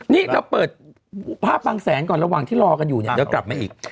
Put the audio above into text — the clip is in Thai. นี่เราเปิดภาพบางแสนก่อนระหว่างที่รอกันอยู่เนี่ยเดี๋ยวกลับมาอีก